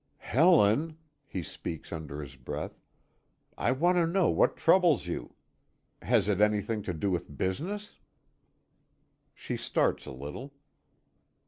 "Helen," he speaks under his breath, "I want to know what troubles you. Has it anything to do with business?" She starts a little.